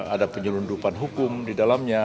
ada penyelundupan hukum di dalamnya